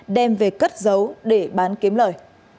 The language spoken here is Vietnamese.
đem về cất giấu để bán kiếm lời